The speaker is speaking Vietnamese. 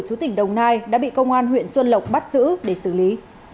chú tỉnh đồng nai đã bị công an huyện xuân lộc bắt giữ để xử lý